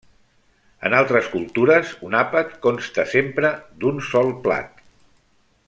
En altres cultures un àpat consta sempre d'un sol plat.